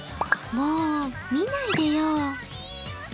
もう見ないでよ。